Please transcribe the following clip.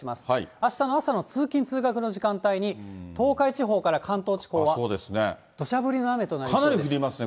あしたの朝の通勤・通学の時間帯に東海地方から関東地方はどしゃかなり降りますね。